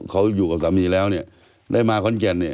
เค้าอยู่กับสามีแล้วได้มาค้นแจน